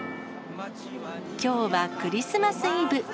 きょうはクリスマスイブ。